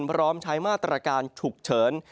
พร้อมใช้มาตรการฉุกเฉิน